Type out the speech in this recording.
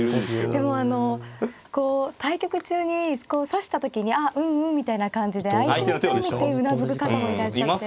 でもあのこう対局中に指した時にああうんうんみたいな感じで相手の手を見てうなずく方もいらっしゃって。